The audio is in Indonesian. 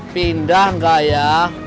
pindah gak ya